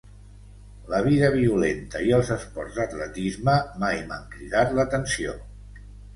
La vida violenta i els esports d'atletisme mai m'han cridat l'atenció.